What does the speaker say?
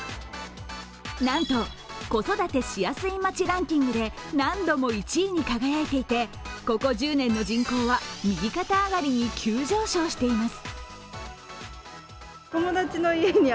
なんと子育てしやすい街ランキングで何度も１位に輝いていて、ここ１０年の人口は右肩上がりに急上昇しています。